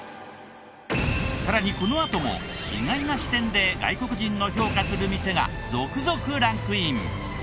さらにこのあとも意外な視点で外国人の評価する店が続々ランクイン！